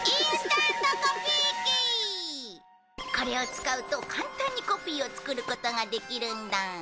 これを使うと簡単にコピーを作ることができるんだ。